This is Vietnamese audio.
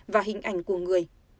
và hình ảnh của người